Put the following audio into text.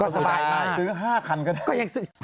ซื้อ๕คันก็ได้